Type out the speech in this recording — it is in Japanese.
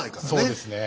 そうですね。